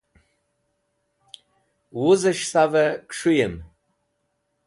wuz'esh sav'ey kus̃huy'em